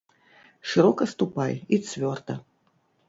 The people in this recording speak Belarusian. Шырока ступай і цвёрда!